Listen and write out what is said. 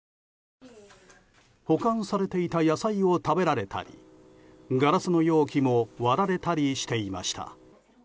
保管されていた野菜を食べられたりガラスの容器も割られたりしていました。